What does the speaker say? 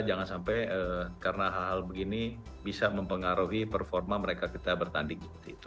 jangan sampai karena hal hal begini bisa mempengaruhi performa mereka kita bertanding